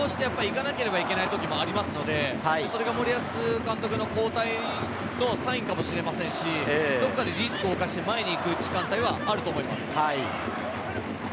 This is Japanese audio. ただ時間に応じて行かなければいけない時もありますので、それが森保監督の交代のサインかもしれませんし、どこかでリスクをおかして前に行く時間帯はあると思います。